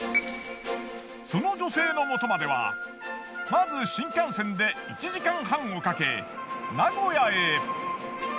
その女性のもとまではまず新幹線で１時間半をかけ名古屋へ。